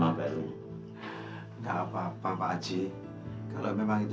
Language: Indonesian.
sebentar saya nunggu